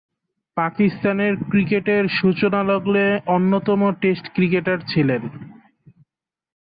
পাকিস্তানের ক্রিকেটের সূচনালগ্নে অন্যতম টেস্ট ক্রিকেটার ছিলেন।